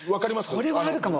あそれはあるかも。